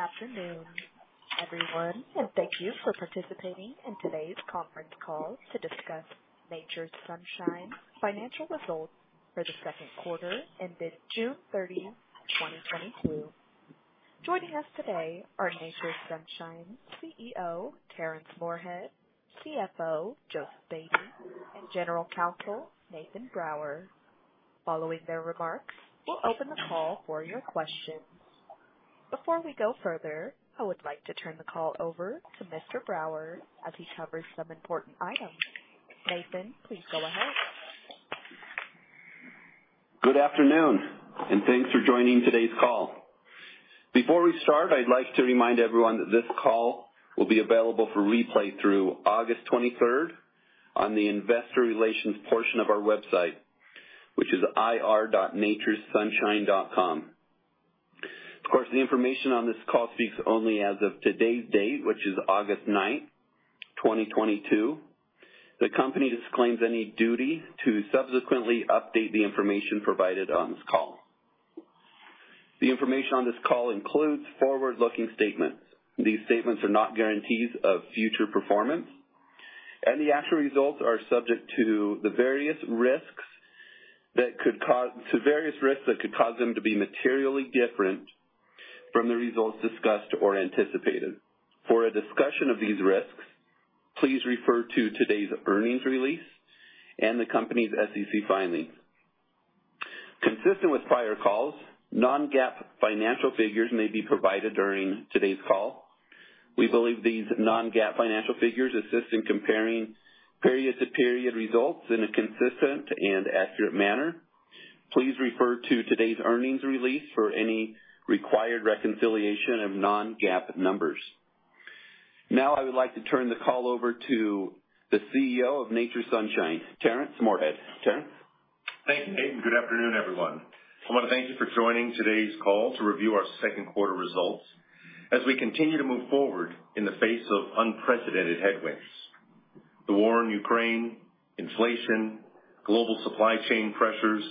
Good afternoon, everyone, and thank you for participating in today's conference call to discuss Nature's Sunshine financial results for the second quarter ended June 30, 2022. Joining us today are Nature's Sunshine CEO, Terrence Moorehead, CFO, Joseph Baty, and General Counsel, Nathan Brower. Following their remarks, we'll open the call for your questions. Before we go further, I would like to turn the call over to Mr. Brower as he covers some important items. Nathan, please go ahead. Good afternoon and thanks for joining today's call. Before we start, I'd like to remind everyone that this call will be available for replay through August 23rd on the investor relations portion of our website, which is ir.naturessunshine.com. Of course, the information on this call speaks only as of today's date, which is August 9, 2022. The company disclaims any duty to subsequently update the information provided on this call. The information on this call includes forward-looking statements. These statements are not guarantees of future performance, and the actual results are subject to the various risks that could cause them to be materially different from the results discussed or anticipated. For a discussion of these risks, please refer to today's earnings release and the company's SEC filings. Consistent with prior calls, non-GAAP financial figures may be provided during today's call. We believe these non-GAAP financial figures assist in comparing period-to-period results in a consistent and accurate manner. Please refer to today's earnings release for any required reconciliation of non-GAAP numbers. Now, I would like to turn the call over to the CEO of Nature's Sunshine, Terrence Moorehead. Terrence. Thank you, Nathan. Good afternoon, everyone. I want to thank you for joining today's call to review our second quarter results as we continue to move forward in the face of unprecedented headwinds. The war in Ukraine, inflation, global supply chain pressures,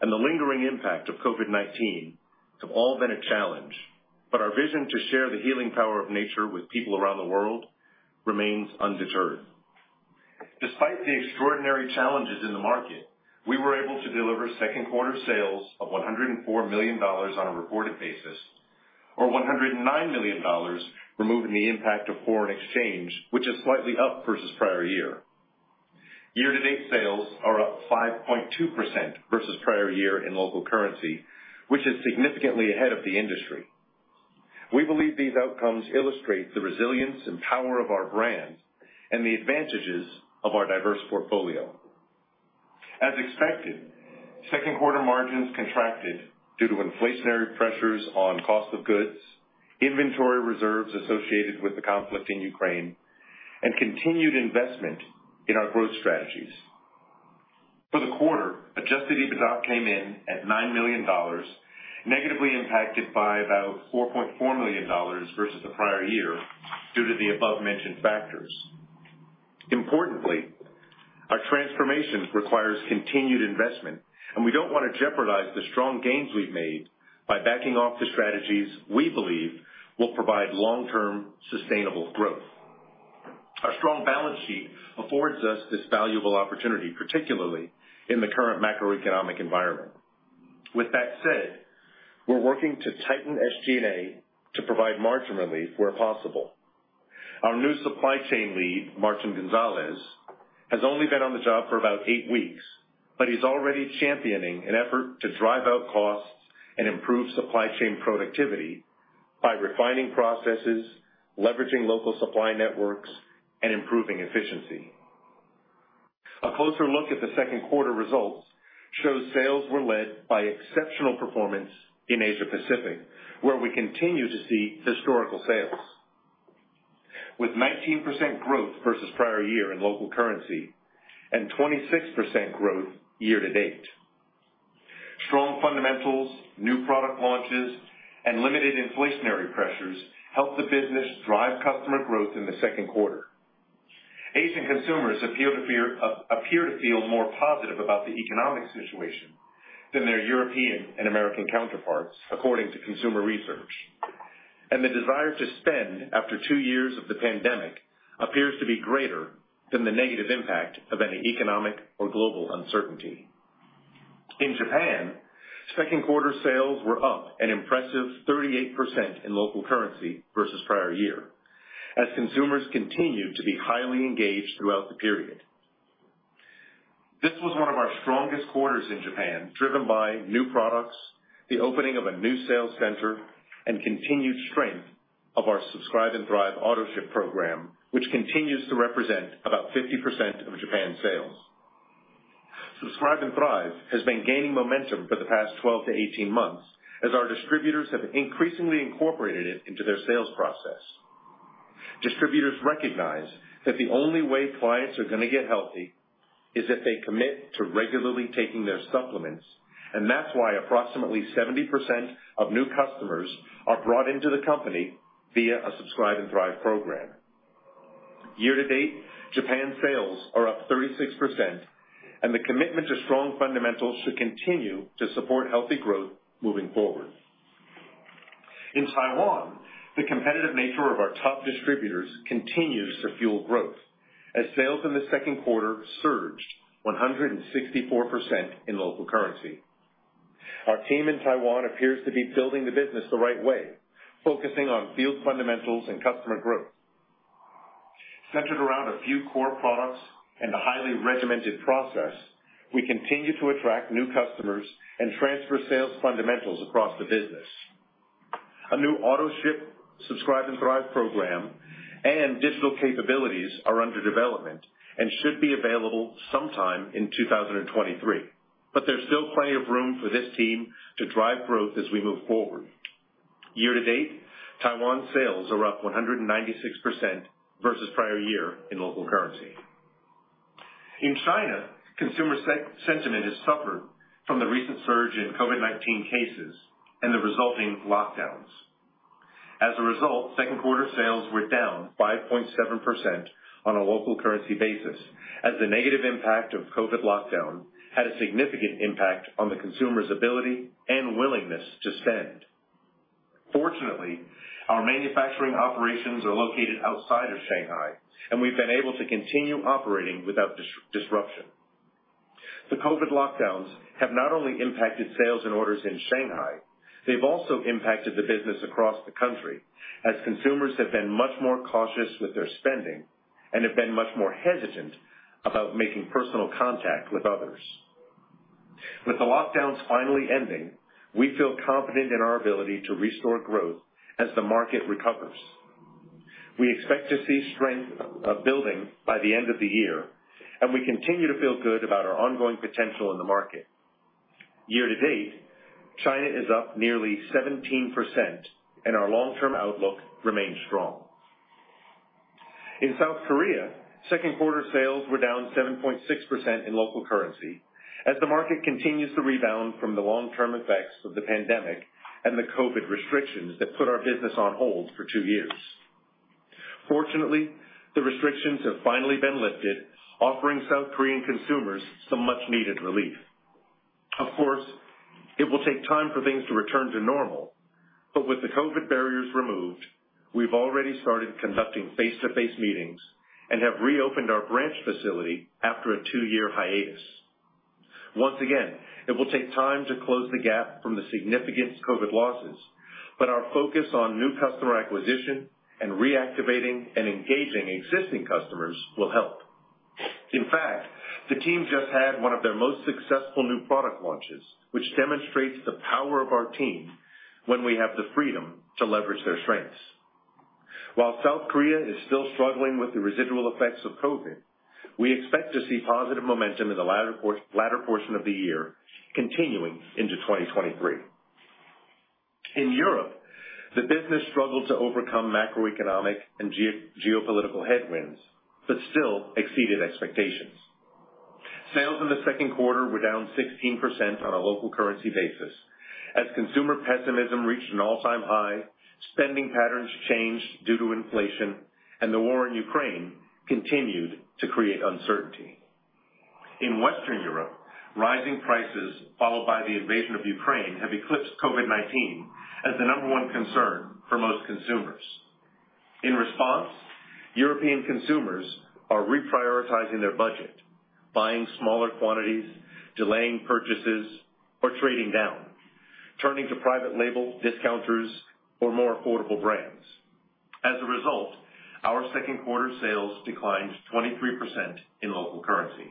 and the lingering impact of COVID-19 have all been a challenge. Our vision to share the healing power of Nature with people around the world remains undeterred. Despite the extraordinary challenges in the market, we were able to deliver second quarter sales of $104 million on a reported basis, or $109 million, removing the impact of foreign exchange, which is slightly up versus prior year. Year-to-date sales are up 5.2% versus prior year in local currency, which is significantly ahead of the industry. We believe these outcomes illustrate the resilience and power of our brand and the advantages of our diverse portfolio. As expected, second quarter margins contracted due to inflationary pressures on cost of goods, inventory reserves associated with the conflict in Ukraine, and continued investment in our growth strategies. For the quarter, adjusted EBITDA came in at $9 million, negatively impacted by about $4.4 million versus the prior year due to the above-mentioned factors. Importantly, our transformation requires continued investment, and we don't want to jeopardize the strong gains we've made by backing off the strategies we believe will provide long-term sustainable growth. Our strong balance sheet affords us this valuable opportunity, particularly in the current macroeconomic environment. With that said, we're working to tighten SG&A to provide margin relief where possible. Our new supply chain lead, Martin Gonzalez, has only been on the job for about eight weeks, but he's already championing an effort to drive out costs and improve supply chain productivity by refining processes, leveraging local supply networks, and improving efficiency. A closer look at the second quarter results shows sales were led by exceptional performance in Asia Pacific, where we continue to see historical sales. With 19% growth versus prior year in local currency and 26% growth year to date. Strong fundamentals, new product launches, and limited inflationary pressures helped the business drive customer growth in the second quarter. Asian consumers appear to feel more positive about the economic situation than their European and American counterparts, according to consumer research. The desire to spend after two years of the pandemic appears to be greater than the negative impact of any economic or global uncertainty. In Japan, second quarter sales were up an impressive 38% in local currency versus prior year as consumers continued to be highly engaged throughout the period. This was one of our strongest quarters in Japan, driven by new products, the opening of a new sales center, and continued strength of our Subscribe & Thrive autoship program, which continues to represent about 50% of Japan's sales. Subscribe & Thrive has been gaining momentum for the past 12-18 months as our distributors have increasingly incorporated it into their sales process. Distributors recognize that the only way clients are gonna get healthy is if they commit to regularly taking their supplements. That's why approximately 70% of new customers are brought into the company via a Subscribe & Thrive program. Year-to-date, Japan sales are up 36%, and the commitment to strong fundamentals should continue to support healthy growth moving forward. In Taiwan, the competitive nature of our top distributors continues to fuel growth as sales in the second quarter surged 164% in local currency. Our team in Taiwan appears to be building the business the right way, focusing on field fundamentals and customer growth. Centered around a few core products and a highly regimented process, we continue to attract new customers and transfer sales fundamentals across the business. A new auto-ship Subscribe & Thrive program and digital capabilities are under development and should be available sometime in 2023. There's still plenty of room for this team to drive growth as we move forward. Year to date, Taiwan sales are up 196% versus prior year in local currency. In China, consumer sentiment has suffered from the recent surge in COVID-19 cases and the resulting lockdowns. As a result, second quarter sales were down 5.7% on a local currency basis, as the negative impact of COVID-19 lockdown had a significant impact on the consumer's ability and willingness to spend. Fortunately, our manufacturing operations are located outside of Shanghai, and we've been able to continue operating without disruption. The COVID-19 lockdowns have not only impacted sales and orders in Shanghai, they've also impacted the business across the country as consumers have been much more cautious with their spending and have been much more hesitant about making personal contact with others. With the lockdowns finally ending, we feel confident in our ability to restore growth as the market recovers. We expect to see strength building by the end of the year, and we continue to feel good about our ongoing potential in the market. Year to date, China is up nearly 17% and our long-term outlook remains strong. In South Korea, second quarter sales were down 7.6% in local currency as the market continues to rebound from the long-term effects of the pandemic and the COVID restrictions that put our business on hold for two years. Fortunately, the restrictions have finally been lifted, offering South Korean consumers some much-needed relief. Of course, it will take time for things to return to normal, but with the COVID barriers removed, we've already started conducting face-to-face meetings and have reopened our branch facility after a two-year hiatus. Once again, it will take time to close the gap from the significant COVID losses, but our focus on new customer acquisition and reactivating and engaging existing customers will help. In fact, the team just had one of their most successful new product launches, which demonstrates the power of our team when we have the freedom to leverage their strengths. While South Korea is still struggling with the residual effects of COVID, we expect to see positive momentum in the latter portion of the year continuing into 2023. In Europe, the business struggled to overcome macroeconomic and geo-geopolitical headwinds, but still exceeded expectations. Sales in the second quarter were down 16% on a local currency basis as consumer pessimism reached an all-time high, spending patterns changed due to inflation, and the war in Ukraine continued to create uncertainty. In Western Europe, rising prices followed by the invasion of Ukraine have eclipsed COVID-19 as the number one concern for most consumers. In response, European consumers are reprioritizing their budget, buying smaller quantities, delaying purchases, or trading down, turning to private label discounters or more affordable brands. As a result, our second quarter sales declined 23% in local currency.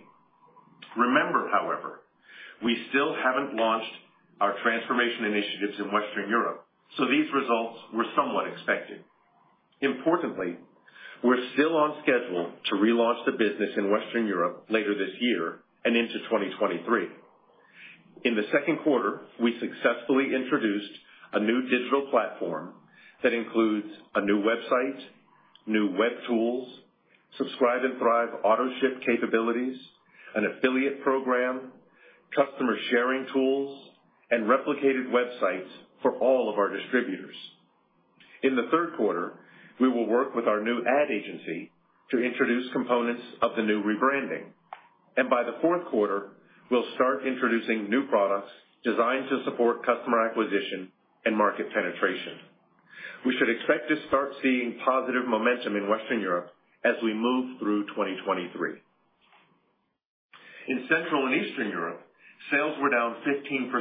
Remember, however, we still haven't launched our transformation initiatives in Western Europe, so these results were somewhat expected. Importantly, we're still on schedule to relaunch the business in Western Europe later this year and into 2023. In the second quarter, we successfully introduced a new digital platform that includes a new website, new web tools, Subscribe & Thrive autoship capabilities, an affiliate program, customer sharing tools, and replicated websites for all of our distributors. In the third quarter, we will work with our new ad agency to introduce components of the new rebranding, and by the fourth quarter, we'll start introducing new products designed to support customer acquisition and market penetration. We should expect to start seeing positive momentum in Western Europe as we move through 2023. In Central and Eastern Europe, sales were down 15%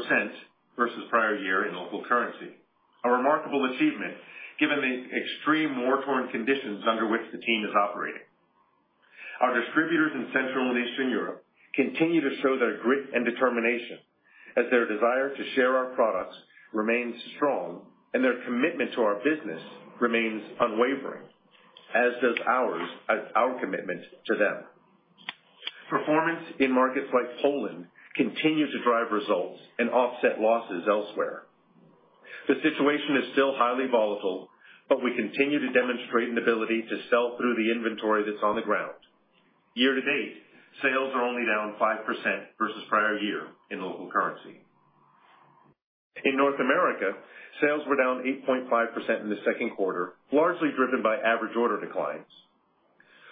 versus prior year in local currency. A remarkable achievement given the extreme war-torn conditions under which the team is operating. Our distributors in Central and Eastern Europe continue to show their grit and determination as their desire to share our products remains strong and their commitment to our business remains unwavering, as does ours, our commitment to them. Performance in markets like Poland continue to drive results and offset losses elsewhere. The situation is still highly volatile, but we continue to demonstrate an ability to sell through the inventory that's on the ground. Year to date, sales are only down 5% versus prior year in local currency. In North America, sales were down 8.5% in the second quarter, largely driven by average order declines.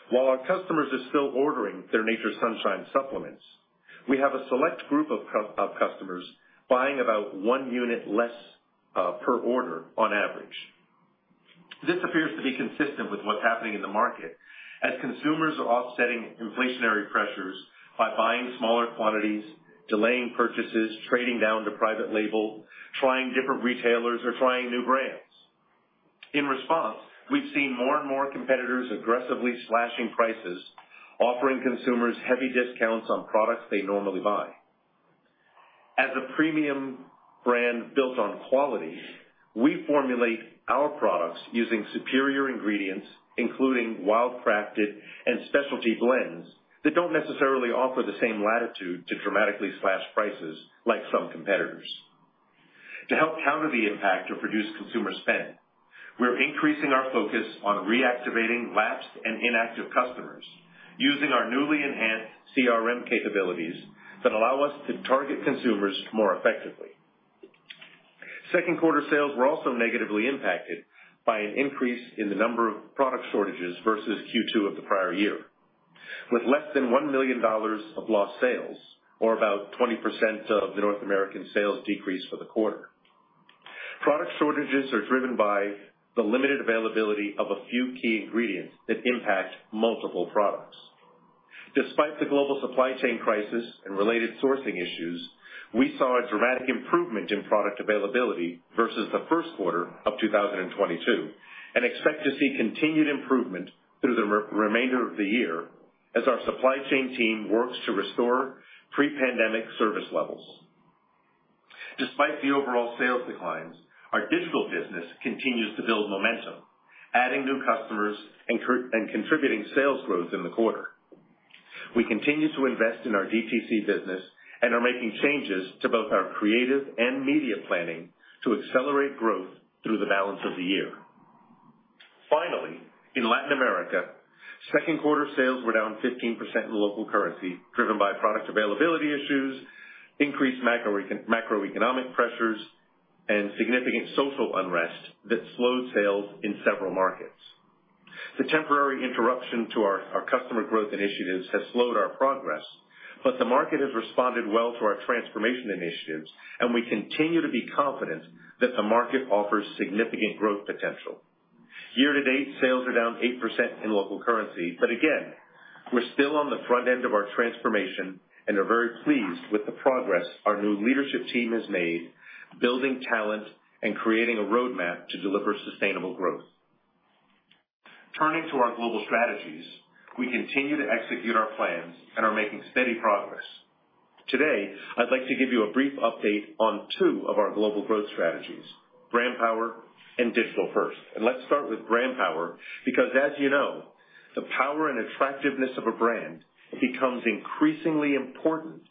While our customers are still ordering their Nature's Sunshine supplements, we have a select group of customers buying about one unit less per order on average. This appears to be consistent with what's happening in the market, as consumers are offsetting inflationary pressures by buying smaller quantities, delaying purchases, trading down to private label, trying different retailers, or trying new brands. In response, we've seen more and more competitors aggressively slashing prices, offering consumers heavy discounts on products they normally buy. As a premium brand built on quality, we formulate our products using superior ingredients, including wild crafted and specialty blends that don't necessarily offer the same latitude to dramatically slash prices like some competitors. To help counter the impact of reduced consumer spend, we're increasing our focus on reactivating lapsed and inactive customers using our newly enhanced CRM capabilities that allow us to target consumers more effectively. Second quarter sales were also negatively impacted by an increase in the number of product shortages versus Q2 of the prior year. With less than $1 million of lost sales, or about 20% of the North American sales decrease for the quarter. Product shortages are driven by the limited availability of a few key ingredients that impact multiple products. Despite the global supply chain crisis and related sourcing issues, we saw a dramatic improvement in product availability versus the first quarter of 2022, and expect to see continued improvement through the remainder of the year as our supply chain team works to restore pre-pandemic service levels. Despite the overall sales declines, our digital business continues to build momentum, adding new customers, and contributing sales growth in the quarter. We continue to invest in our DTC business and are making changes to both our creative and media planning to accelerate growth through the balance of the year. Finally, in Latin America, second quarter sales were down 15% in local currency driven by product availability issues, increased macroeconomic pressures, and significant social unrest that slowed sales in several markets. The temporary interruption to our customer growth initiatives has slowed our progress, but the market has responded well to our transformation initiatives, and we continue to be confident that the market offers significant growth potential. Year-to-date, sales are down 8% in local currency, but again, we're still on the front end of our transformation and are very pleased with the progress our new leadership team has made building talent, and creating a roadmap to deliver sustainable growth. Turning to our global strategies, we continue to execute our plans and are making steady progress. Today, I'd like to give you a brief update on two of our global growth strategies, brand power and digital first. Let's start with brand power, because as you know, the power and attractiveness of a brand becomes increasingly important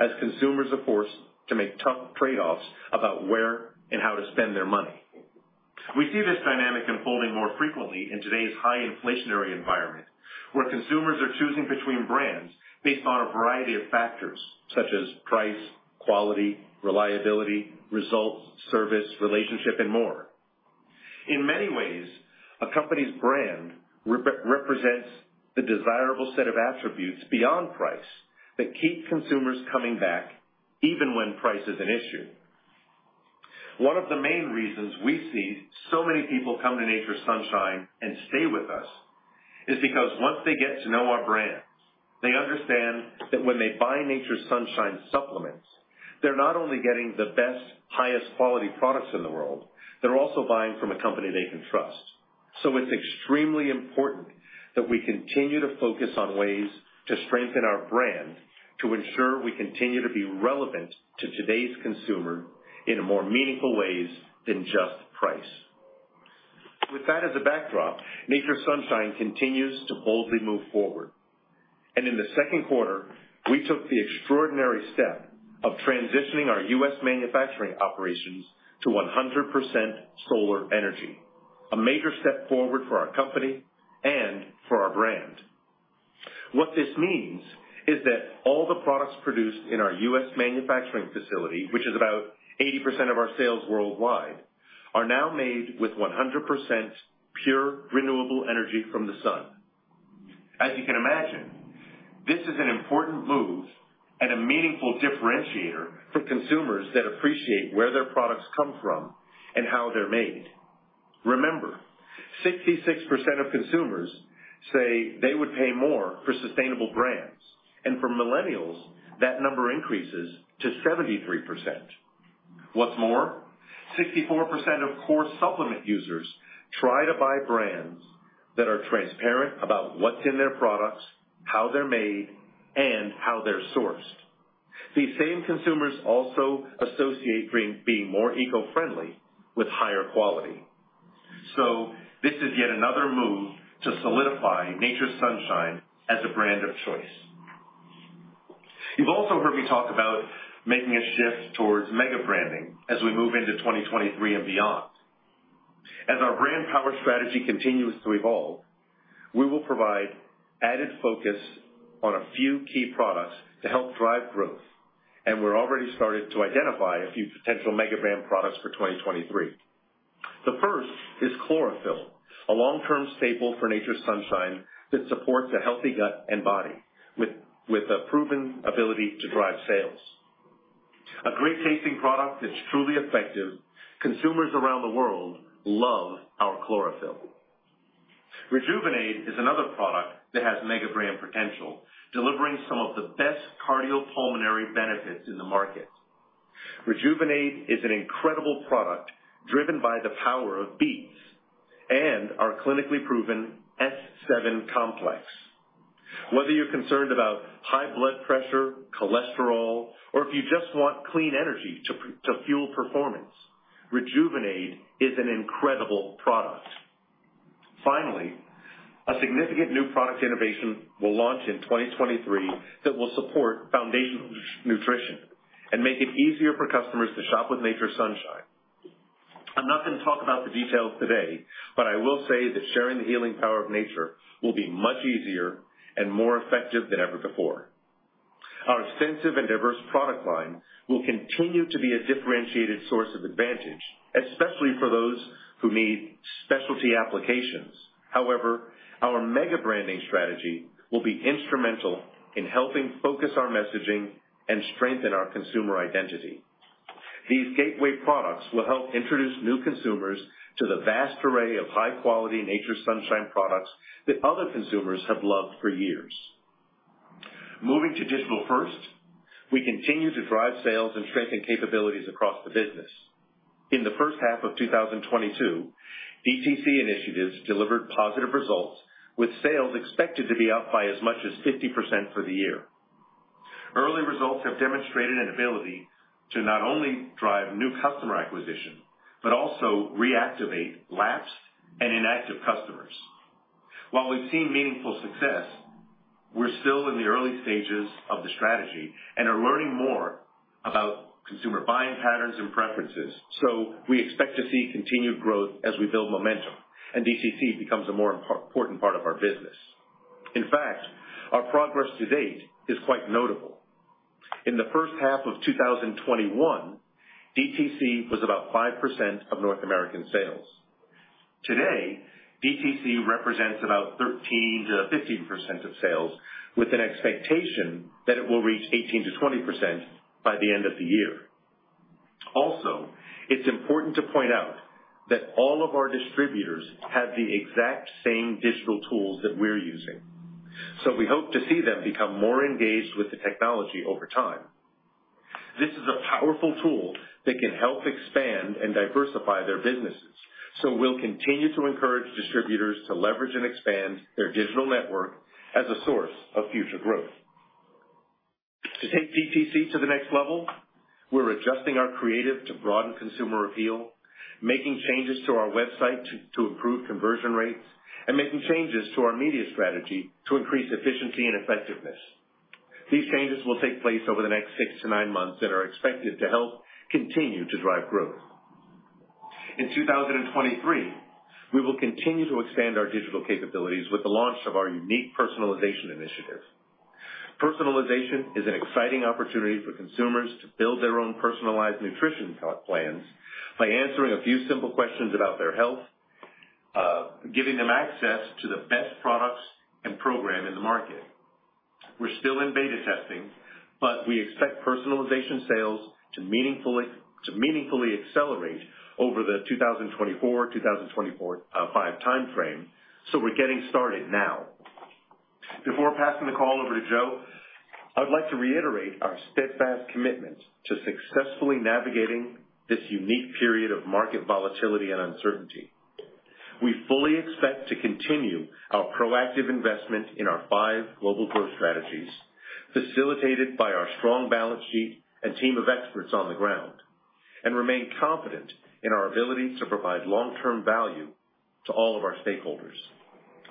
as consumers are forced to make tough trade-offs about where and how to spend their money. We see this dynamic unfolding more frequently in today's high inflationary environment, where consumers are choosing between brands based on a variety of factors such as price, quality, reliability, results, service, relationship, and more. In many ways, a company's brand represents the desirable set of attributes beyond price that keep consumers coming back even when price is an issue. One of the main reasons we see so many people come to Nature's Sunshine and stay with us is because once they get to know our brand, they understand that when they buy Nature's Sunshine supplements, they're not only getting the best, highest quality products in the world, they're also buying from a company they can trust. So it's extremely important that we continue to focus on ways to strengthen our brand to ensure we continue to be relevant to today's consumer in more meaningful ways than just price. With that as a backdrop, Nature's Sunshine continues to boldly move forward. In the second quarter, we took the extraordinary step of transitioning our U.S. manufacturing operations to 100% solar energy, a major step forward for our company and for our brand. What this means is that all the products produced in our U.S. manufacturing facility, which is about 80% of our sales worldwide, are now made with 100% pure, renewable energy from the sun. As you can imagine, this is an important move and a meaningful differentiator for consumers that appreciate where their products come from and how they're made. Remember, 66% of consumers say they would pay more for sustainable brands, and for millennials, that number increases to 73%. What's more, 64% of core supplement users try to buy brands that are transparent about what's in their products, how they're made, and how they're sourced. These same consumers also associate being more eco-friendly with higher quality. This is yet another move to solidify Nature's Sunshine as a brand of choice. You've also heard me talk about making a shift towards mega branding as we move into 2023 and beyond. As our brand power strategy continues to evolve, we will provide added focus on a few key products to help drive growth, and we're already started to identify a few potential mega brand products for 2023. The first is chlorophyll, a long-term staple for Nature's Sunshine that supports a healthy gut and body with a proven ability to drive sales. A great tasting product that's truly effective, consumers around the world love our chlorophyll. Rejuvenaid is another product that has mega brand potential, delivering some of the best cardiopulmonary benefits in the market. Rejuvenaid is an incredible product driven by the power of beets and our clinically proven S7® complex. Whether you're concerned about high blood pressure, cholesterol, or if you just want clean energy to fuel performance, Rejuvenaid is an incredible product. Finally, a significant new product innovation will launch in 2023 that will support foundational new nutrition and make it easier for customers to shop with Nature's Sunshine. I'm not gonna talk about the details today, but I will say that sharing the healing power of nature will be much easier and more effective than ever before. Our extensive and diverse product line will continue to be a differentiated source of advantage, especially for those who need specialty applications. However, our mega branding strategy will be instrumental in helping focus our messaging and strengthen our consumer identity. These gateway products will help introduce new consumers to the vast array of high-quality Nature's Sunshine products that other consumers have loved for years. Moving to digital first, we continue to drive sales and strengthen capabilities across the business. In the first half of 2022, DTC initiatives delivered positive results, with sales expected to be up by as much as 50% for the year. Early results have demonstrated an ability to not only drive new customer acquisition, but also reactivate lapsed and inactive customers. While we've seen meaningful success, we're still in the early stages of the strategy and are learning more about consumer buying patterns and preferences. We expect to see continued growth as we build momentum and DTC becomes a more important part of our business. In fact, our progress to date is quite notable. In the first half of 2021, DTC was about 5% of North American sales. Today, DTC represents about 13%-15% of sales, with an expectation that it will reach 18%-20% by the end of the year. Also, it's important to point out that all of our distributors have the exact same digital tools that we're using, so we hope to see them become more engaged with the technology over time. This is a powerful tool that can help expand and diversify their businesses. We'll continue to encourage distributors to leverage and expand their digital network as a source of future growth. To take DTC to the next level, we're adjusting our creative to broaden consumer appeal, making changes to our website to improve conversion rates, and making changes to our media strategy to increase efficiency and effectiveness. These changes will take place over the next six to nine months and are expected to help continue to drive growth. In 2023, we will continue to expand our digital capabilities with the launch of our unique personalization initiative. Personalization is an exciting opportunity for consumers to build their own personalized nutrition plans by answering a few simple questions about their health, giving them access to the best products and program in the market. We're still in beta testing, but we expect personalization sales to meaningfully accelerate over the 2024-2025 timeframe, so we're getting started now. Before passing the call over to Joe, I'd like to reiterate our steadfast commitment to successfully navigating this unique period of market volatility and uncertainty. We fully expect to continue our proactive investment in our five global growth strategies, facilitated by our strong balance sheet and team of experts on the ground, and remain confident in our ability to provide long-term value to all of our stakeholders.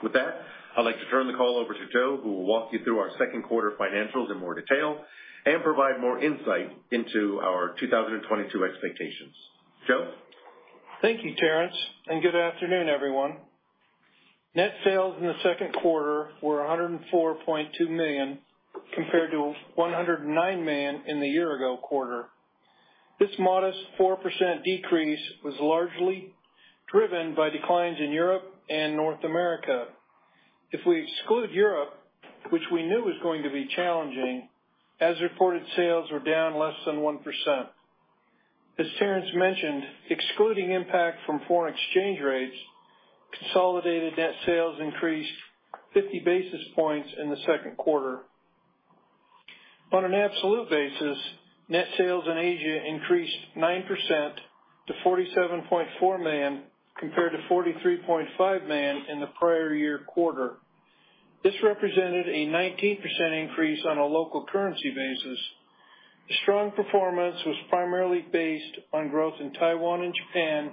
With that, I'd like to turn the call over to Joe, who will walk you through our second quarter financials in more detail and provide more insight into our 2022 expectations. Joe? Thank you, Terrence, and good afternoon, everyone. Net sales in the second quarter were $104.2 million, compared to $109 million in the year-ago quarter. This modest 4% decrease was largely driven by declines in Europe and North America. If we exclude Europe, which we knew was going to be challenging, as reported, sales were down less than 1%. As Terrence mentioned, excluding impact from foreign exchange rates, consolidated net sales increased 50 basis points in the second quarter. On an absolute basis, net sales in Asia increased 9% to $47.4 million, compared to $43.5 million in the prior-year quarter. This represented a 19% increase on a local currency basis. The strong performance was primarily based on growth in Taiwan and Japan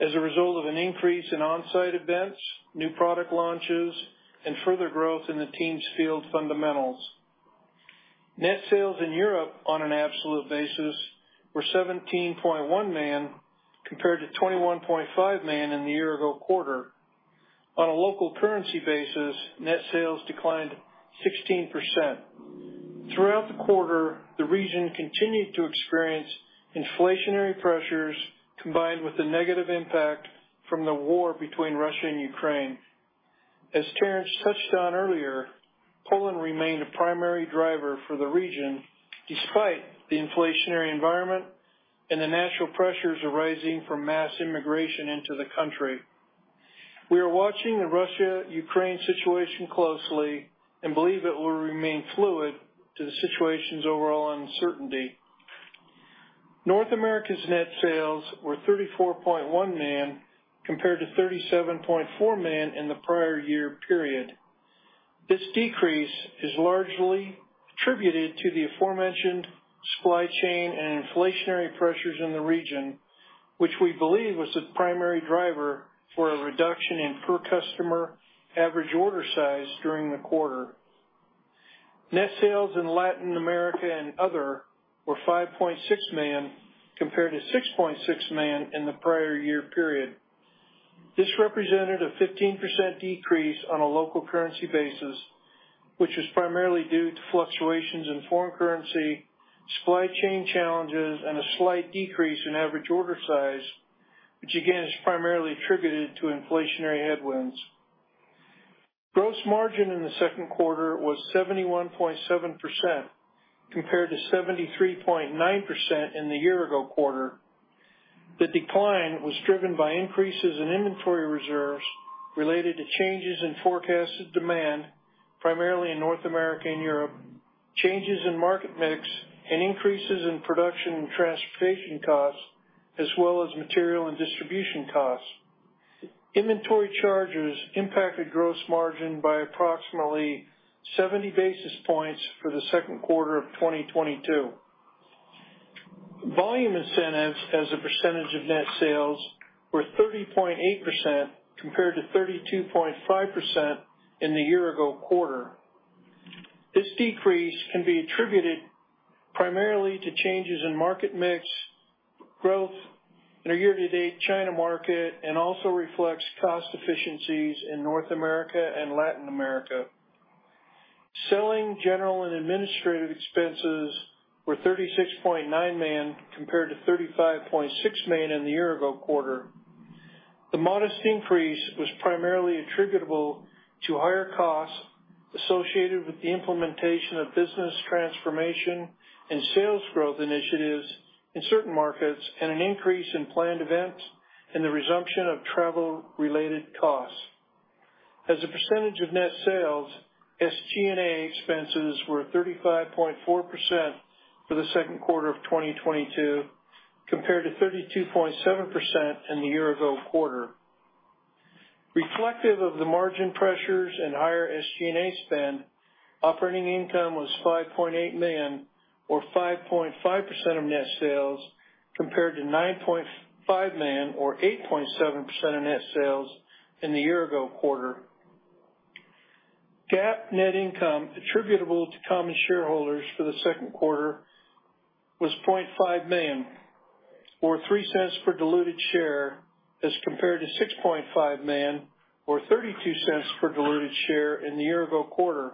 as a result of an increase in on-site events, new product launches, and further growth in the team's field fundamentals. Net sales in Europe on an absolute basis were $17.1 million, compared to $21.5 million in the year-ago quarter. On a local currency basis, net sales declined 16%. Throughout the quarter, the region continued to experience inflationary pressures combined with the negative impact from the war between Russia and Ukraine. As Terrence touched on earlier, Poland remained a primary driver for the region despite the inflationary environment and the national pressures arising from mass immigration into the country. We are watching the Russia/Ukraine situation closely and believe it will remain fluid due to the situation's overall uncertainty. North America's net sales were $34.1 million, compared to $37.4 million in the prior year period. This decrease is largely attributed to the aforementioned supply chain and inflationary pressures in the region, which we believe was the primary driver for a reduction in per customer average order size during the quarter. Net sales in Latin America and other were $5.6 million, compared to $6.6 million in the prior year period. This represented a 15% decrease on a local currency basis, which is primarily due to fluctuations in foreign currency, supply chain challenges, and a slight decrease in average order size, which again is primarily attributed to inflationary headwinds. Gross margin in the second quarter was 71.7% compared to 73.9% in the year ago quarter. The decline was driven by increases in inventory reserves related to changes in forecasted demand, primarily in North America and Europe, changes in market mix and increases in production and transportation costs, as well as material and distribution costs. Inventory charges impacted gross margin by approximately 70 basis points for the second quarter of 2022. Volume incentives as a percentage of net sales were 30.8% compared to 32.5% in the year ago quarter. This decrease can be attributed primarily to changes in market mix growth in a year-to-date China market and also reflects cost efficiencies in North America and Latin America. Selling, general, and administrative expenses were $36.9 million compared to $35.6 million in the year ago quarter. The modest increase was primarily attributable to higher costs associated with the implementation of business transformation and sales growth initiatives in certain markets, and an increase in planned events and the resumption of travel-related costs. As a percentage of net sales, SG&A expenses were 35.4% for the second quarter of 2022, compared to 32.7% in the year ago quarter. Reflective of the margin pressures and higher SG&A spend, operating income was $5.8 million, or 5.5% of net sales, compared to $9.5 million or 8.7% of net sales in the year ago quarter. GAAP net income attributable to common shareholders for the second quarter was $0.5 million or $0.03 per diluted share as compared to $6.5 million or $0.32 per diluted share in the year ago quarter.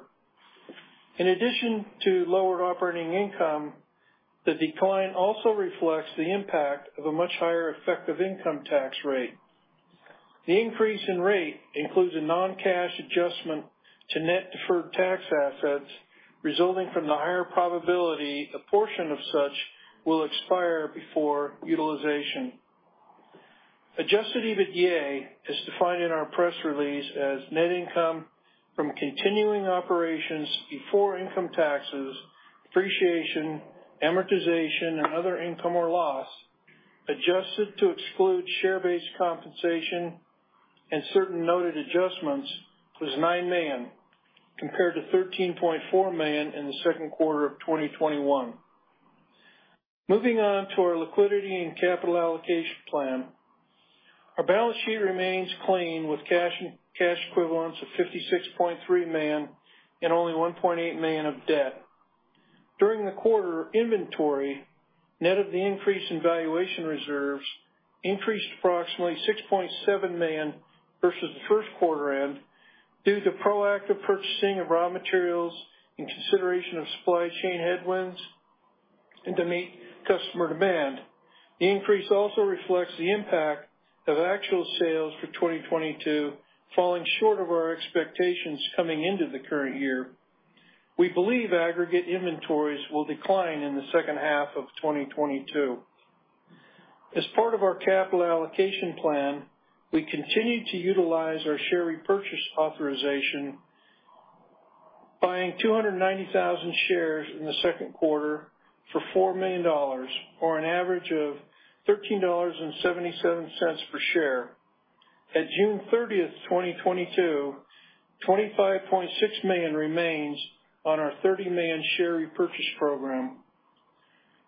In addition to lower operating income, the decline also reflects the impact of a much higher effective income tax rate. The increase in rate includes a non-cash adjustment to net deferred tax assets resulting from the higher probability a portion of such will expire before utilization. Adjusted EBITDA as defined in our press release as net income from continuing operations before income taxes, depreciation, amortization, and other income or loss, adjusted to exclude share-based compensation and certain noted adjustments, was $9 million, compared to $13.4 million in the second quarter of 2021. Moving on to our liquidity and capital allocation plan. Our balance sheet remains clean with cash and cash equivalents of $56.3 million and only $1.8 million of debt. During the quarter, inventory, net of the increase in valuation reserves, increased approximately $6.7 million versus the first quarter end due to proactive purchasing of raw materials in consideration of supply chain headwinds and to meet customer demand. The increase also reflects the impact of actual sales for 2022 falling short of our expectations coming into the current year. We believe aggregate inventories will decline in the second half of 2022. As part of our capital allocation plan, we continue to utilize our share repurchase authorization, buying 290,000 shares in the second quarter for $4 million, or an average of $13.77 per share. At June 30, 2022, 25.6 million remains on our 30 million share repurchase program.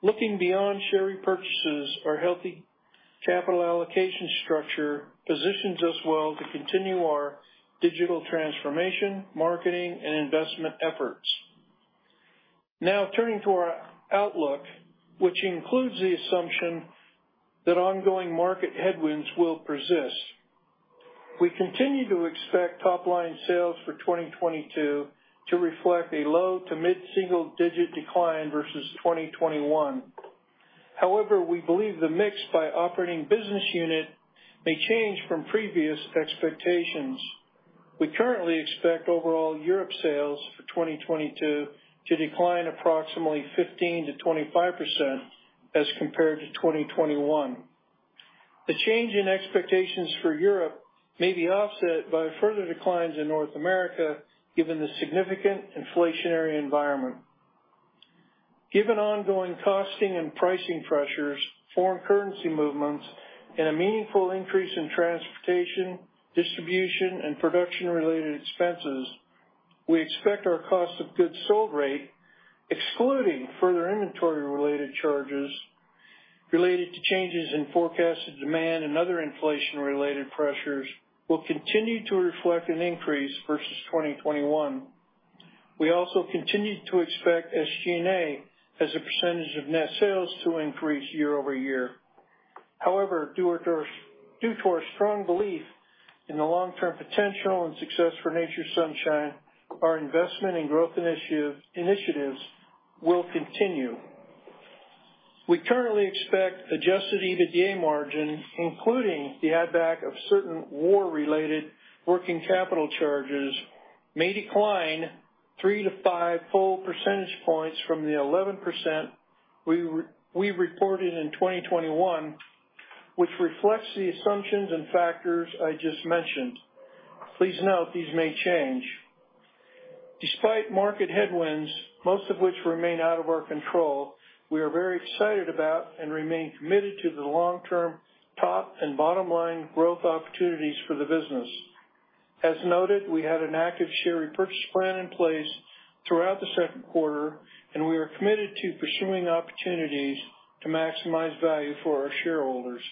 Looking beyond share repurchases, our healthy capital allocation structure positions us well to continue our digital transformation, marketing, and investment efforts. Now turning to our outlook, which includes the assumption that ongoing market headwinds will persist. We continue to expect top-line sales for 2022 to reflect a low to mid-single digit decline versus 2021. However, we believe the mix by operating business unit may change from previous expectations. We currently expect overall Europe sales for 2022 to decline approximately 15%-25% as compared to 2021. The change in expectations for Europe may be offset by further declines in North America given the significant inflationary environment. Given ongoing costing and pricing pressures, foreign currency movements, and a meaningful increase in transportation, distribution, and production-related expenses, we expect our cost of goods sold rate, excluding further inventory-related charges related to changes in forecasted demand and other inflation-related pressures, will continue to reflect an increase versus 2021. We also continue to expect SG&A as a percentage of net sales to increase year-over-year. However, due to our strong belief in the long-term potential and success for Nature's Sunshine, our investment in growth initiatives will continue. We currently expect adjusted EBITDA margin, including the add back of certain war-related working capital charges, may decline 3-5 full percentage points from the 11% we reported in 2021, which reflects the assumptions and factors I just mentioned. Please note these may change. Despite market headwinds, most of which remain out of our control, we are very excited about and remain committed to the long-term top and bottom line growth opportunities for the business. As noted, we had an active share repurchase plan in place throughout the second quarter, and we are committed to pursuing opportunities to maximize value for our shareholders.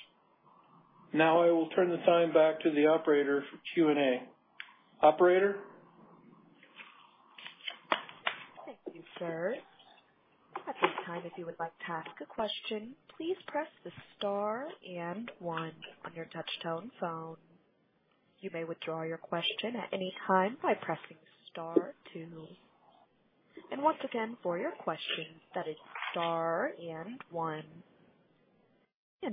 Now I will turn the time back to the operator for Q&A. Operator? Thank you, sir. At this time, if you would like to ask a question, please press the star and one on your touchtone phone. You may withdraw your question at any time by pressing star two. Once again, for your question, that is star and one.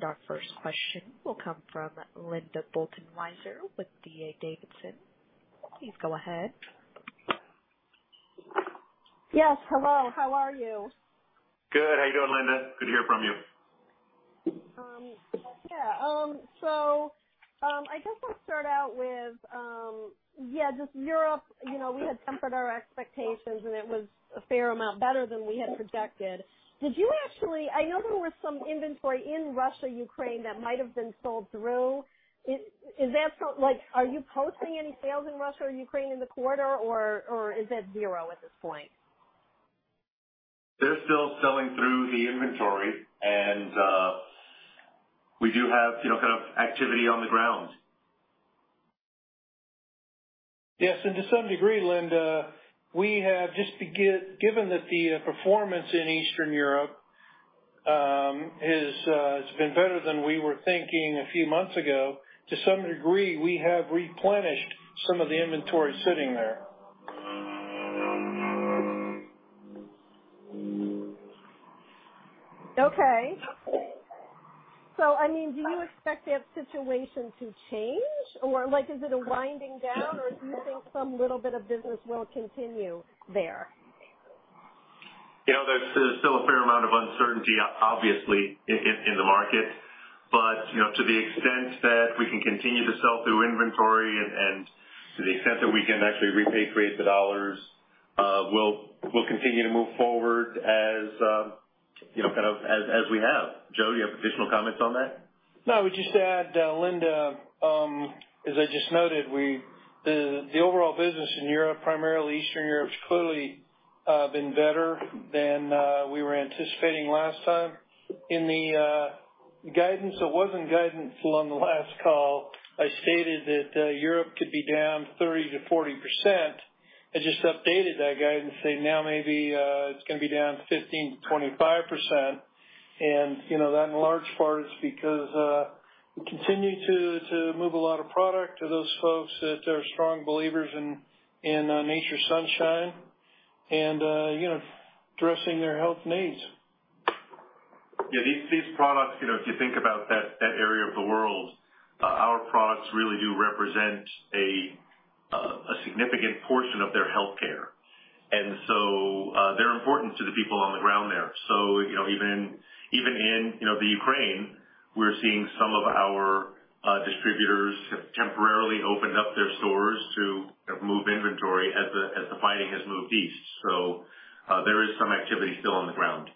Our first question will come from Linda Bolton-Weiser with D.A. Davidson. Please go ahead. Yes, hello. How are you? Good. How you doing, Linda? Good to hear from you. I guess I'll start out with yeah, just Europe. You know, we had tempered our expectations, and it was a fair amount better than we had projected. I know there was some inventory in Russia, Ukraine that might have been sold through. Is that so? Like, are you posting any sales in Russia or Ukraine in the quarter, or is that zero at this point? They're still selling through the inventory. We do have, you know, kind of activity on the ground. Yes, to some degree, Linda, given that the performance in Eastern Europe has been better than we were thinking a few months ago, to some degree, we have replenished some of the inventory sitting there. Okay. I mean, do you expect that situation to change? Like, is it a winding down, or do you think some little bit of business will continue there? You know, there's still a fair amount of uncertainty obviously in the market. You know, to the extent that we can continue to sell through inventory and to the extent that we can actually repatriate the dollars, we'll continue to move forward as you know, kind of as we have. Joe, do you have additional comments on that? No, I would just add, Linda, as I just noted, the overall business in Europe, primarily Eastern Europe, has clearly been better than we were anticipating last time. In the guidance on the last call, I stated that Europe could be down 30%-40%. I just updated that guidance, say now maybe it's gonna be down 15%-25%. You know, that in large part is because we continue to move a lot of product to those folks that are strong believers in Nature's Sunshine and you know, addressing their health needs. Yeah, these products, you know, if you think about that area of the world, our products really do represent a significant portion of their healthcare. They're important to the people on the ground there. You know, even in the Ukraine, we're seeing some of our distributors have temporarily opened up their stores to move inventory as the fighting has moved east. There is some activity still on the ground.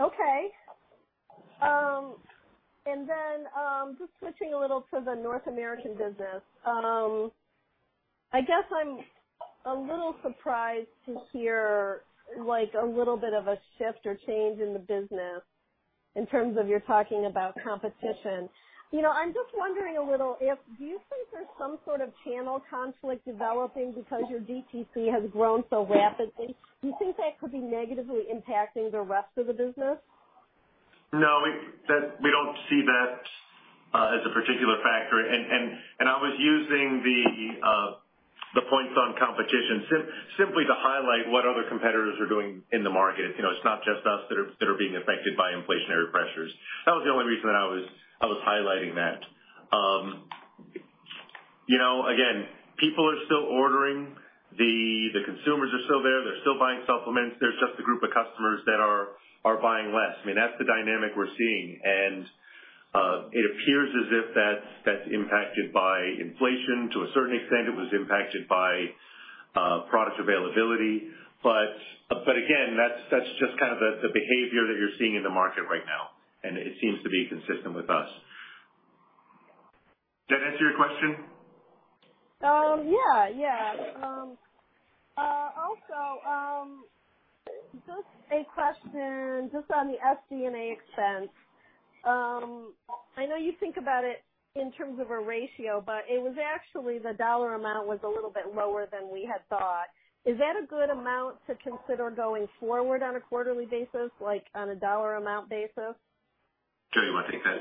Okay. Just switching a little to the North American business. I guess I'm a little surprised to hear like a little bit of a shift or change in the business in terms of you're talking about competition. You know, I'm just wondering a little if do you think there's some sort of channel conflict developing because your DTC has grown so rapidly? Do you think that could be negatively impacting the rest of the business? No, we don't see that as a particular factor. I was using the points on competition simply to highlight what other competitors are doing in the market. You know, it's not just us that are being affected by inflationary pressures. That was the only reason I was highlighting that. You know, again, people are still ordering. The consumers are still there. They're still buying supplements. There's just a group of customers that are buying less. I mean, that's the dynamic we're seeing. It appears as if that's impacted by inflation to a certain extent. It was impacted by product availability. Again, that's just kind of the behavior that you're seeing in the market right now, and it seems to be consistent with us. Did that answer your question? Also, just a question on the SG&A expense. I know you think about it in terms of a ratio, but it was actually the dollar amount was a little bit lower than we had thought. Is that a good amount to consider going forward on a quarterly basis, like on a dollar amount basis? Joe, do you want to take that?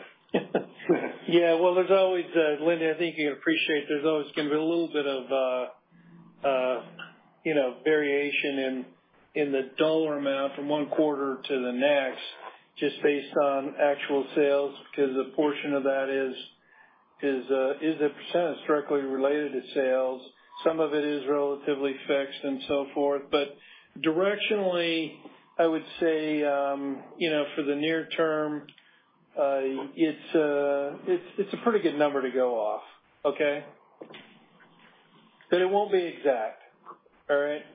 Yeah. Well, there's always, Linda, I think you appreciate there's always gonna be a little bit of, you know, variation in the dollar amount from one quarter to the next, just based on actual sales, because a portion of that is a percent that's directly related to sales. Some of it is relatively fixed and so forth. But directionally, I would say, you know, for the near term, it's a pretty good number to go off. Okay? But it won't be exact. All right? Okay.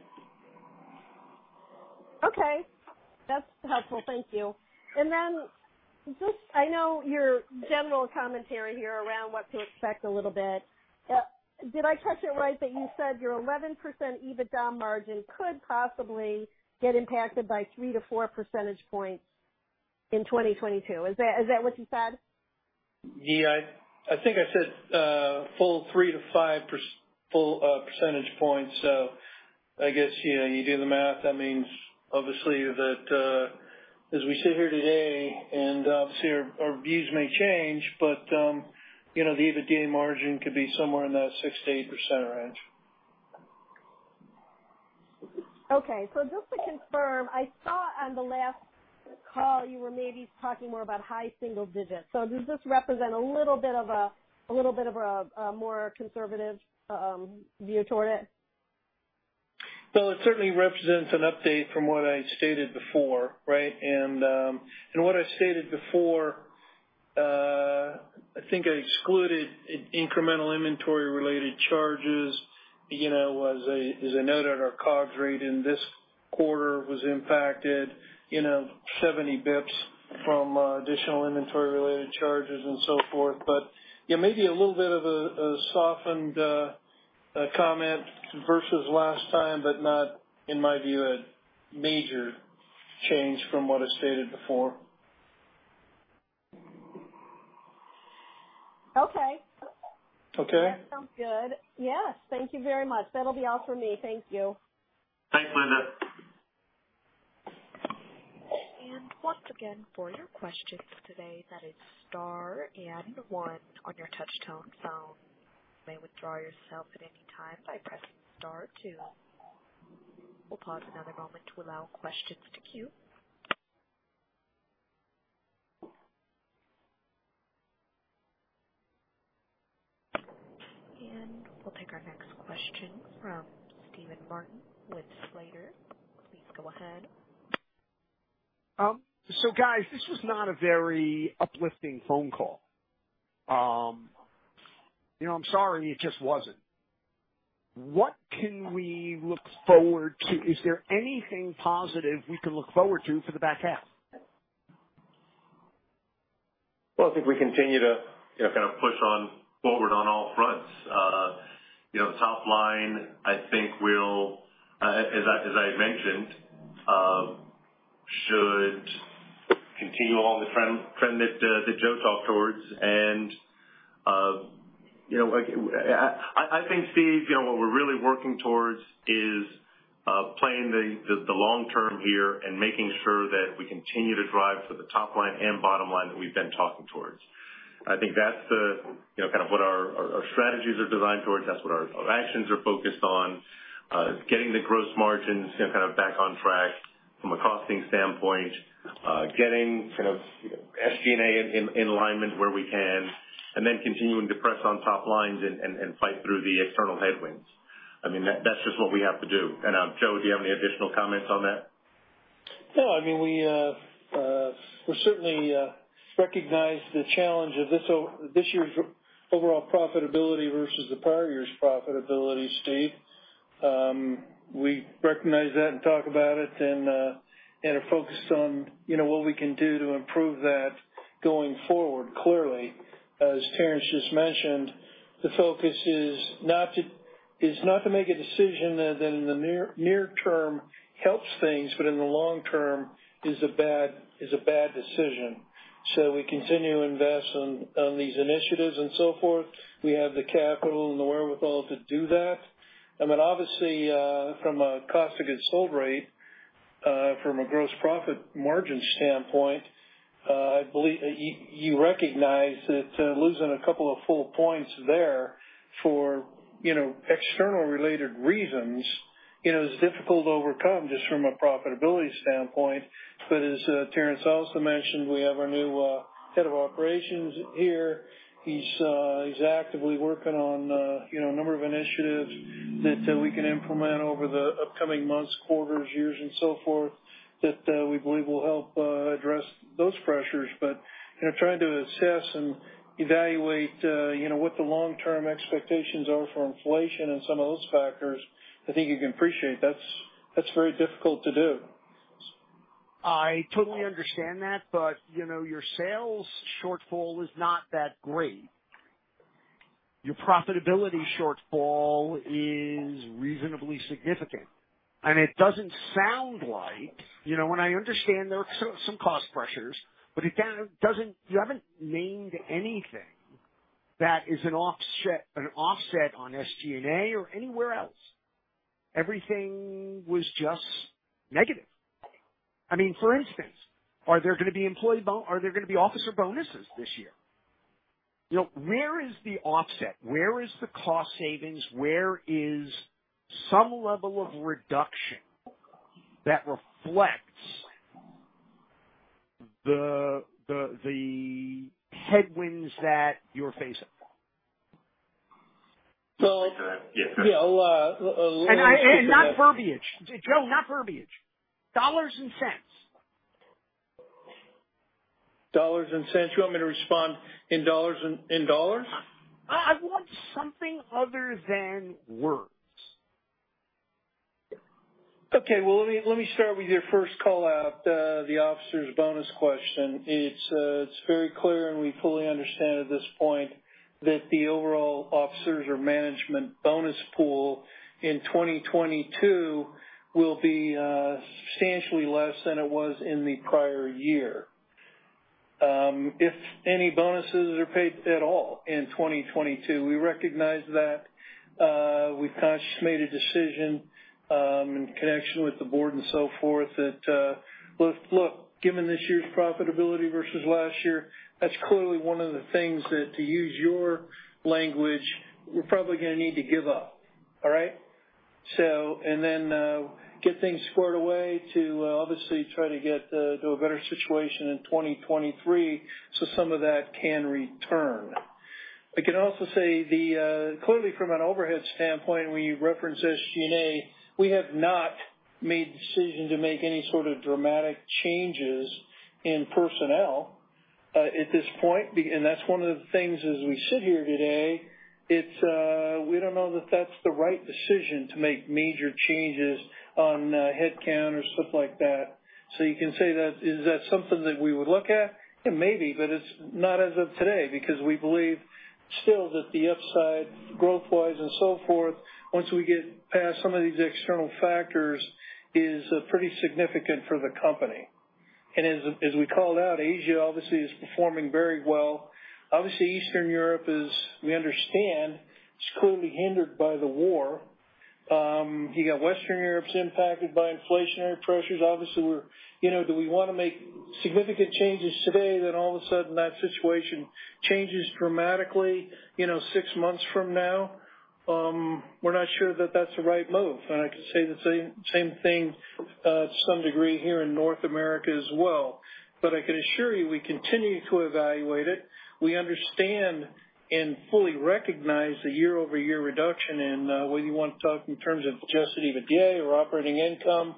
That's helpful. Thank you. Just I know your general commentary here around what to expect a little bit. Did I catch it right that you said your 11% EBITDA margin could possibly get impacted by 3-4 percentage points in 2022? Is that what you said? Yeah, I think I said full 3-5 percentage points. I guess, you know, you do the math. That means obviously that as we sit here today and obviously our views may change, but you know, the EBITDA margin could be somewhere in that 6%-8% range. Okay. Just to confirm, I saw on the last call you were maybe talking more about high single digits. Does this represent a little bit of a more conservative view toward it? Well, it certainly represents an update from what I stated before, right? I think I excluded incremental inventory-related charges. You know, as I noted, our COGS rate in this quarter was impacted, you know, 70 BPS from additional inventory-related charges and so forth. Yeah, maybe a little bit of a softened comment versus last time, but not, in my view, a major change from what I stated before. Okay. Okay? That sounds good. Yes. Thank you very much. That'll be all for me. Thank you. Thanks, Linda. Once again, for your questions today that is star and one on your touchtone phone. You may withdraw yourself at any time by pressing star two. We'll pause for another moment to allow questions to queue. We'll take our next question from Steven Martin with Slater. Please go ahead. Guys, this was not a very uplifting phone call. You know, I'm sorry, it just wasn't. What can we look forward to? Is there anything positive we can look forward to for the back half? Well, I think we continue to, you know, kind of push on forward on all fronts. You know, top line, I think will, as I mentioned, should continue the trend that Joe talked towards. You know, like I think, Steven, you know, what we're really working towards is playing the long term here and making sure that we continue to drive for the top line and bottom line that we've been talking towards. I think that's the, you know, kind of what our strategies are designed towards. That's what our actions are focused on. Getting the gross margins, you know, kind of back on track from a costing standpoint. Getting kind of, you know, SG&A in alignment where we can and then continuing to press on top lines and fight through the external headwinds. I mean, that's just what we have to do. Joe, do you have any additional comments on that? No, I mean, we certainly recognize the challenge of this year's overall profitability versus the prior year's profitability, Steve. We recognize that and talk about it and are focused on, you know, what we can do to improve that going forward, clearly. As Terrence just mentioned, the focus is not to make a decision that in the near term helps things, but in the long term is a bad decision. We continue to invest on these initiatives and so forth. We have the capital and the wherewithal to do that. Obviously, from a cost of goods sold rate, from a gross profit margin standpoint, you recognize that losing a couple of full points there for external related reasons is difficult to overcome just from a profitability standpoint. As Terrence also mentioned, we have our new head of operations here. He's actively working on a number of initiatives that we can implement over the upcoming months, quarters, years and so forth, that we believe will help address those pressures. You know, trying to assess and evaluate what the long-term expectations are for inflation and some of those factors, I think you can appreciate that's very difficult to do. I totally understand that. You know, your sales shortfall is not that great. Your profitability shortfall is reasonably significant. It doesn't sound like, you know, and I understand there are some cost pressures, but it doesn't. You haven't named anything that is an offset on SG&A or anywhere else. Everything was just negative. I mean, for instance, are there gonna be officer bonuses this year? You know, where is the offset? Where is the cost savings? Where is some level of reduction that reflects the headwinds that you're facing? So- Yeah. Yeah. I'll let me- Not verbiage. Joe, not verbiage. Dollars and cents. Dollars and cents. You want me to respond in dollars? I want something other than words. Okay. Well, let me start with your first call-out, the officers bonus question. It's very clear, and we fully understand at this point that the overall officers or management bonus pool in 2022 will be substantially less than it was in the prior year, if any bonuses are paid at all in 2022. We recognize that. We've consciously made a decision in connection with the board and so forth that look, given this year's profitability versus last year, that's clearly one of the things that, to use your language, we're probably gonna need to give up. All right. Get things squared away to obviously try to get to a better situation in 2023 so some of that can return. I can also say clearly from an overhead standpoint, when you reference SG&A, we have not made the decision to make any sort of dramatic changes in personnel, at this point. That's one of the things as we sit here today, it's we don't know that that's the right decision to make major changes on, headcount or stuff like that. You can say that, is that something that we would look at? Yeah, maybe, but it's not as of today because we believe still that the upside growth-wise and so forth, once we get past some of these external factors, is pretty significant for the company. As we called out, Asia obviously is performing very well. Obviously, Eastern Europe is, we understand, clearly hindered by the war. You got Western Europe's impacted by inflationary pressures. Obviously, we're, you know, do we wanna make significant changes today then all of a sudden that situation changes dramatically, you know, six months from now? We're not sure that that's the right move. I can say the same thing to some degree here in North America as well. I can assure you, we continue to evaluate it. We understand and fully recognize the year-over-year reduction in whether you want to talk in terms of adjusted EBITDA or operating income,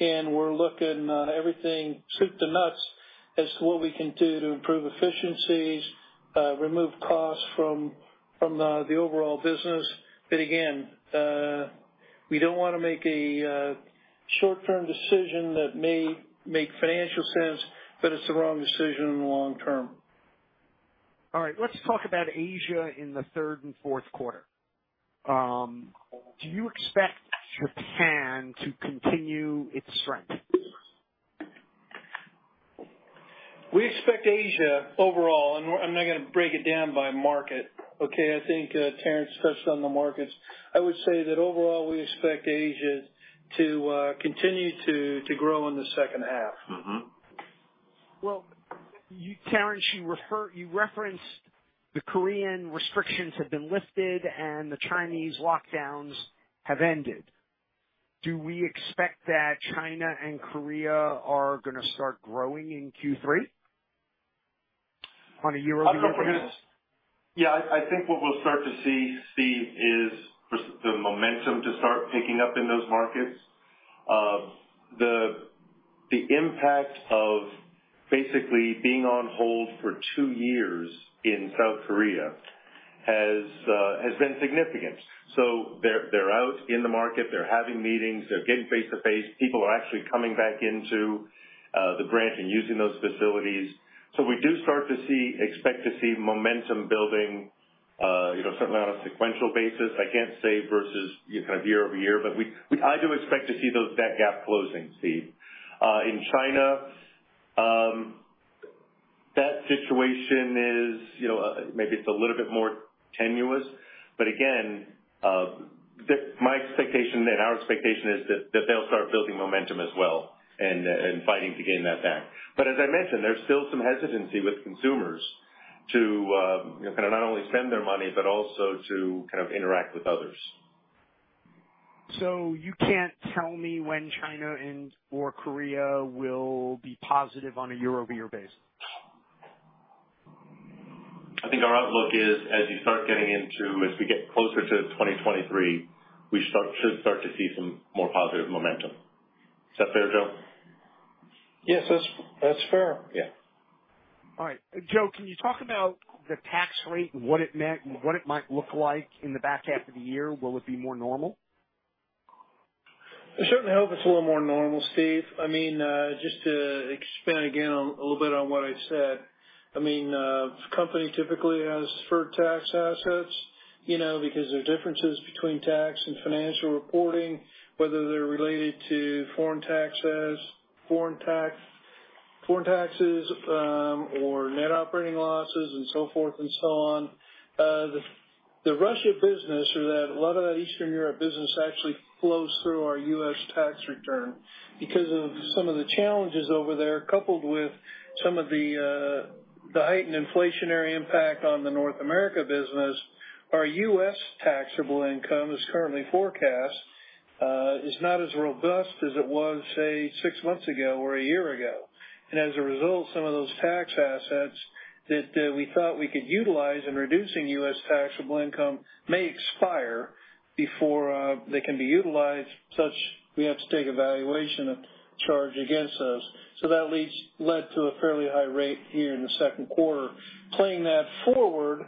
and we're looking at everything, soup to nuts, as to what we can do to improve efficiencies, remove costs from the overall business. We don't wanna make a short-term decision that may make financial sense, but it's the wrong decision in the long term. All right. Let's talk about Asia in the third and fourth quarter. Do you expect Japan to continue its strength? We expect Asia overall. I'm not gonna break it down by market. Okay? I think Terrence touched on the markets. I would say that overall, we expect Asia to continue to grow in the second half. Well, Terrence, you referenced the Korean restrictions have been lifted and the Chinese lockdowns have ended. Do we expect that China and Korea are gonna start growing in Q3 on a year-over-year I'm comfortable. Yeah. I think what we'll start to see, Steve, is for the momentum to start picking up in those markets. The impact of basically being on hold for two years in South Korea has been significant. They're out in the market, they're having meetings, they're getting face-to-face. People are actually coming back into the branch and using those facilities. We expect to see momentum building, you know, certainly on a sequential basis. I can't say versus year-over-year, but we do expect to see that gap closing, Steve. In China, that situation is, you know, maybe it's a little bit more tenuous. Again, my expectation and our expectation is that they'll start building momentum as well and fighting to gain that back. As I mentioned, there's still some hesitancy with consumers to, you know, kind of not only spend their money but also to kind of interact with others. You can't tell me when China and/or Korea will be positive on a year-over-year basis? I think our outlook is as you start getting into, as we get closer to 2023, we should start to see some more positive momentum. Is that fair, Joe? Yes, that's fair. Yeah. All right. Joe, can you talk about the tax rate and what it meant and what it might look like in the back half of the year? Will it be more normal? I certainly hope it's a little more normal, Steve. I mean, just to expand again on a little bit on what I said. I mean, the company typically has deferred tax assets, you know, because there are differences between tax and financial reporting, whether they're related to foreign taxes, or net operating losses and so forth and so on. The Russia business or that a lot of that Eastern Europe business actually flows through our U.S. tax return. Because of some of the challenges over there, coupled with some of the heightened inflationary impact on the North America business, our U.S. taxable income as currently forecast is not as robust as it was, say, six months ago or a year ago. As a result, some of those tax assets that we thought we could utilize in reducing U.S. taxable income may expire before they can be utilized, such that we have to take a valuation charge against them. That led to a fairly high rate here in the second quarter. Playing that forward,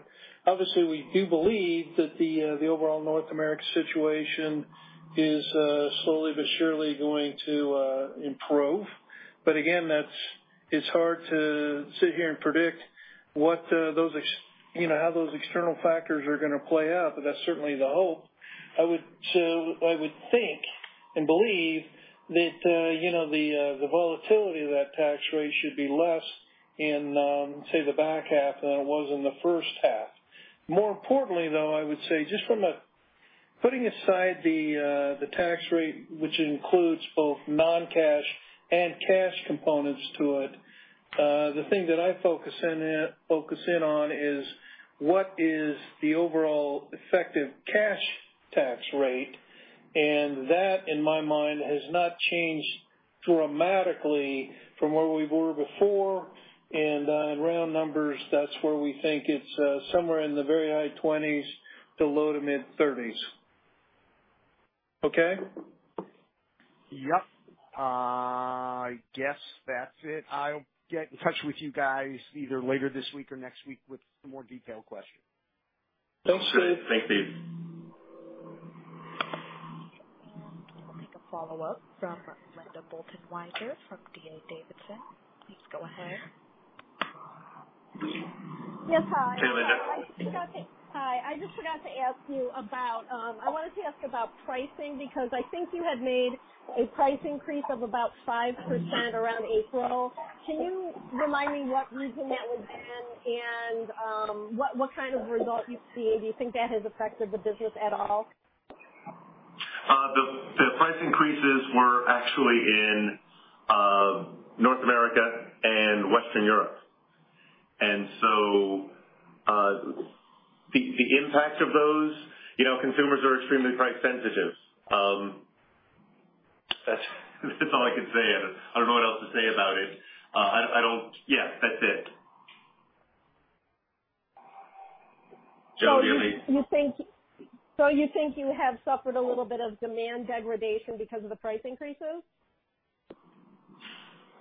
obviously, we do believe that the overall North America situation is slowly but surely going to improve. Again, it's hard to sit here and predict what, you know, how those external factors are gonna play out, but that's certainly the hope. I would think and believe that, you know, the volatility of that tax rate should be less in, say, the back half than it was in the first half. More importantly, though, I would say just from putting aside the tax rate, which includes both non-cash and cash components to it, the thing that I focus in on is what is the overall effective cash tax rate. That, in my mind, has not changed dramatically from where we were before. In round numbers, that's where we think it's somewhere in the very high 20s% to low-to-mid 30s%. Okay? Yep. I guess that's it. I'll get in touch with you guys either later this week or next week with some more detailed questions. Thanks, Steven. Sure. Thanks, Steven. We'll take a follow-up from Linda Bolton Weiser from D.A. Davidson. Please go ahead. Linda. Yes, hi. Hey, Linda. Hi. I just forgot to ask you about, I wanted to ask about pricing because I think you had made a price increase of about 5% around April. Can you remind me what region that was in and, what kind of result you've seen? Do you think that has affected the business at all? The price increases were actually in North America and Western Europe. The impact of those, you know, consumers are extremely price sensitive. That's all I can say. I don't know what else to say about it. Yeah, that's it. Joe, do you have any. You think you have suffered a little bit of demand degradation because of the price increases?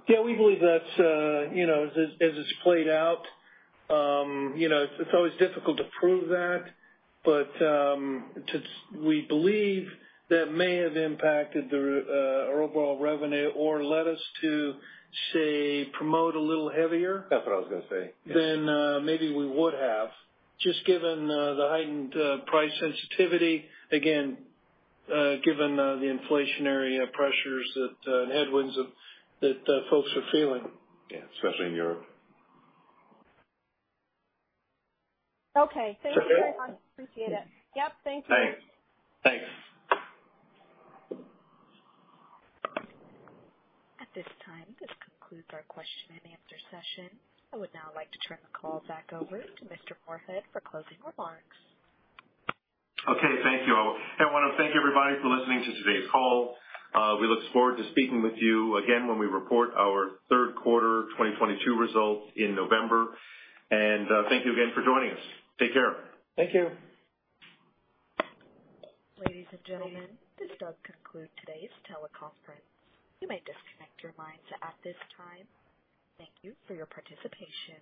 Yeah, we believe that's, you know, as it's played out. You know, it's always difficult to prove that. We believe that may have impacted our overall revenue or led us to, say, promote a little heavier. That's what I was gonna say. Yes. Than maybe we would have. Just given the heightened price sensitivity. Again, given the inflationary pressures and headwinds that folks are feeling. Yeah, especially in Europe. Okay. Thank you. Sure. I appreciate it. Yep, thank you. Thanks. At this time, this concludes our question-and-answer session. I would now like to turn the call back over to Mr. Moorehead for closing remarks. Okay, thank you. I wanna thank everybody for listening to today's call. We look forward to speaking with you again when we report our third quarter 2022 results in November. Thank you again for joining us. Take care. Thank you. Ladies and gentlemen, this does conclude today's teleconference. You may disconnect your lines at this time. Thank you for your participation.